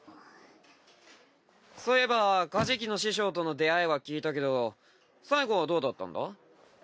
そういえばカジキの師匠との出会いは聞いたけど最期はどうだったんだ？